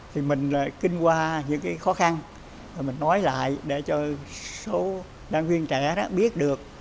thì mình kinh qua những khó khăn mình nói lại để cho số đoàn viên trẻ biết được